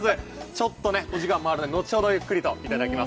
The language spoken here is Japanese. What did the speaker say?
ちょっとねお時間もあるので後ほど、ゆっくりといただきます。